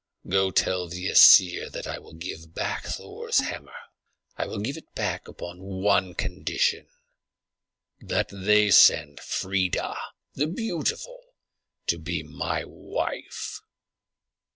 Go tell the Æsir that I will give back Thor's hammer. I will give it back upon one condition, that they send Freia the beautiful to be my wife."